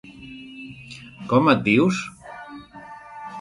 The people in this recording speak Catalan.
com et dius?